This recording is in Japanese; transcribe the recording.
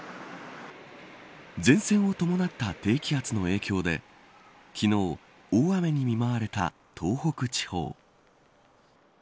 前線を伴った低気圧の影響で昨日、大雨に見舞われた東北地方。